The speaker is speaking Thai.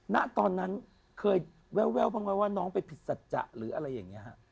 ณตอนนั้นเคยแววบ้างไหมว่าน้องไปผิดสัจจะหรืออะไรอย่างนี้ฮะ